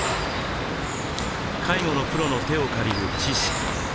介護のプロの手を借りる知識。